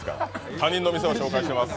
他人の店を紹介しています。